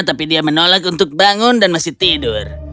tapi dia menolak untuk bangun dan masih tidur